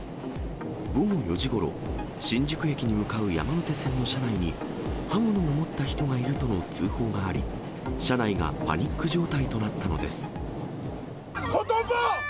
午後４時ごろ、新宿駅に向かう山手線の車内に、刃物を持った人がいるとの通報があり、車内がパニック状態となったのです。